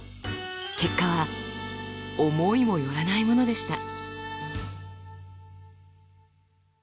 結果は思いもよらないものでした。